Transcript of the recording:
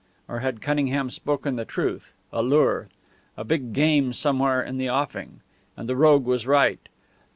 Or had Cunningham spoken the truth a lure? A big game somewhere in the offing. And the rogue was right!